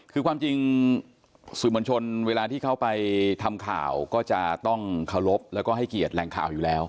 คือความจริงสื่อมวลชนเวลาที่เขาไปทำข่าวก็จะต้องเคารพแล้วก็ให้เกียรติแหล่งข่าวอยู่แล้ว